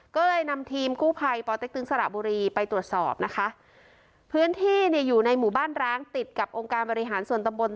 ก็เลยนำทีมกู้ภัยปเต็กตึงสระบุรีไปตรวจสอบนะคะพื้นที่เนี่ยอยู่ในหมู่บ้านร้างติดกับองค์การบริหารส่วนตำบล